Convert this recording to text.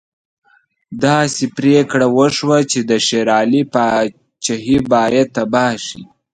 داسې پرېکړه وشوه چې د شېر علي پاچهي باید تباه شي.